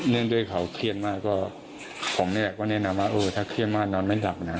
ด้วยเขาเครียดมากก็ผมเนี่ยก็แนะนำว่าเออถ้าเครียดมากนอนไม่หลับนะ